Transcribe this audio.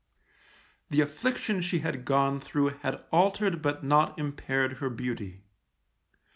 The affliction she had gone through had altered but not impaired her beauty.